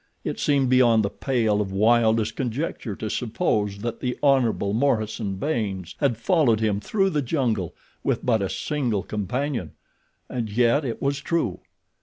It seemed beyond the pale of wildest conjecture to suppose that the Hon. Morison Baynes had followed him through the jungle with but a single companion—and yet it was true.